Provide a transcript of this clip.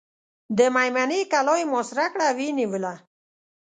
د مېمنې کلا یې محاصره کړه او ویې نیوله.